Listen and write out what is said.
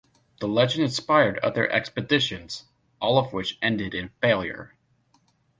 The legend inspired other expeditions, all of which ended in failure.